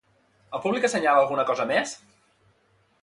El públic assenyala alguna cosa més?